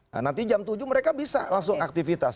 nah nanti jam tujuh mereka bisa langsung aktivitas